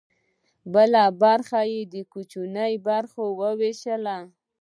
بله برخه به یې په کوچنیو برخو ویشله.